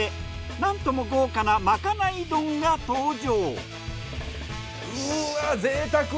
なんとも豪華なまかない丼が登場。